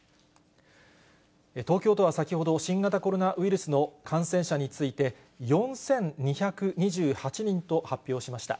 東京都は先ほど、新型コロナウイルスの感染者について、４２２８人と発表しました。